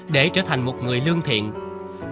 để trở thành một người lương thiện